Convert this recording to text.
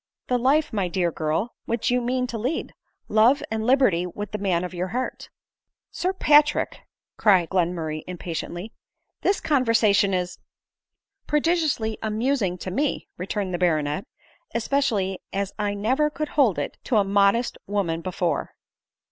" The life, my dear girl, which you mean to lead ; love and liberty with the man of your heart." " Sir Patrick," cried Glenmurray impatiently, " this conversation is "" Prodigiously amusing to me," returned the baronet, " especially as I never could hold it to a modest woman before."